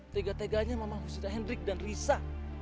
tega teganya mama usirnya hendrik dan risa